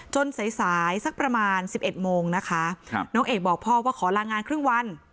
สายสายสักประมาณ๑๑โมงนะคะน้องเอกบอกพ่อว่าขอลางานครึ่งวัน